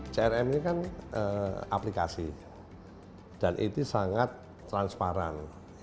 crm ini kan aplikasi dan itu sangat transparan